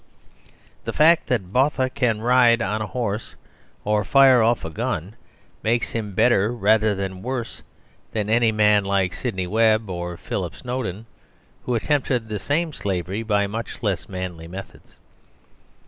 The fact that Botha can ride on a horse, or fire off a gun, makes him better rather than worse than any man like Sidney Webb or Philip Snowden, who attempt the same slavery by much less manly methods.